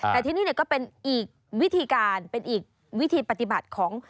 แต่ที่นี่ก็เป็นอีกวิธีการเป็นอีกวิธีปฏิบัติของ